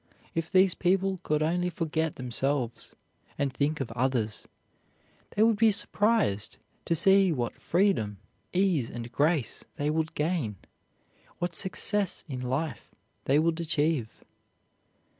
If these people could only forget themselves and think of others, they would be surprised to see what freedom, ease, and grace they would gain; what success in life they would achieve.